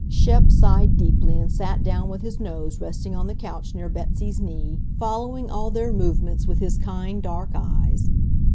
Shep sighed deeply and sat down with his nose resting on the couch near Betsy's knee, following all their movements with his kind, dark eyes.